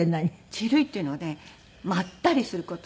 チルいっていうのはねまったりする事。